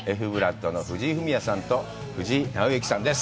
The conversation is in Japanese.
Ｆ−ＢＬＯＯＤの藤井フミヤさんと藤井尚之さんです。